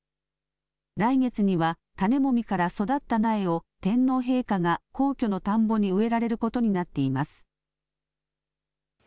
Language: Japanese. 来月には種もみから育った苗を、天皇陛下が皇居の田んぼに植えられることになっています。